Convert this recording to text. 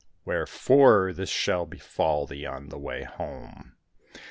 Wherefore this shall befall thee on thy way home.